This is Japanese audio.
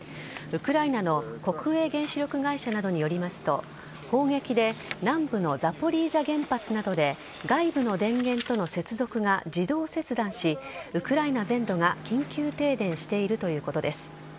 ウクライナの国営原子力会社などによりますと砲撃で南部のザポリージャ原発などで外部の電源との接続が自動切断しウクライナ全土が緊急停電しているということです。